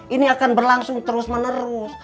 ini akan berlangsung terus menerus